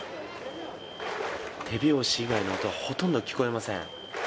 手拍子以外の音はほとんど聞こえません。